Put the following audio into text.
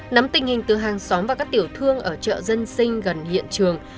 nắm tình hình từ hàng xóm và các tiểu thương ở chợ dân sinh gần hiện trường